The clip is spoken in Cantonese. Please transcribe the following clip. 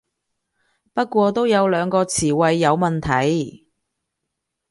不過都有兩個詞彙有問題